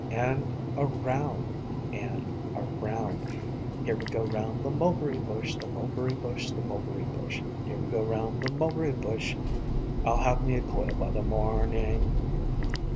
And around. And around. Here we go round the mulberry bush, the mulberry bush, the mulberry bush. Here we go round the mulberry bush; I'll have me a coil by the morning.